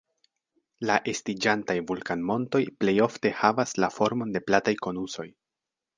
La estiĝantaj vulkanmontoj plej ofte havas la formon de plataj konusoj.